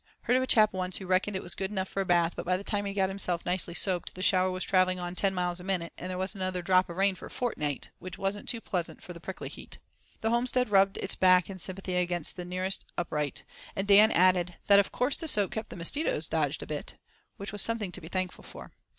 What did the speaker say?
Heard of a chap once who reckoned it was good enough for a bath, but by the time he'd got himself nicely soaped the shower was travelling on ten miles a minute, and there wasn't another drop of rain for a fortnight, which wasn't too pleasant for the prickly heat." The homestead rubbed its back in sympathy against the nearest upright, and Dan added that "of course the soap kept the mosquitoes dodged a bit," which was something to be thankful for.